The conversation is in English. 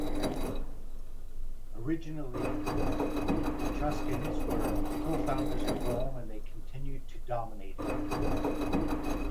Originally the Etruscans were co-founders of Rome and they continued to dominate it.